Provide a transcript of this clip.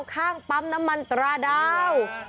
ข้างปั๊มน้ำมันตราดาว